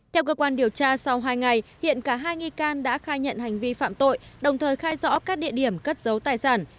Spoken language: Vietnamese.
theo cơ quan điều tra sau hai ngày hiện cả hai nghi can đã khai nhận hành vi phạm tội đồng thời khai rõ các địa điểm cất giấu tài sản